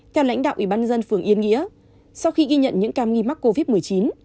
theo lãnh đạo ủy ban dân phường yên nghĩa sau khi ghi nhận những ca nghi mắc covid một mươi chín